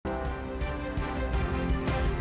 pembuduhan wanita yang ditemukan dalam koper